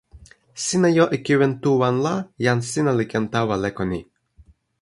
sina jo e kiwen tu wan la jan sina li ken tawa leko ni.